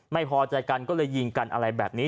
ไม่พอใจกันก็เลยยิงกันอะไรแบบนี้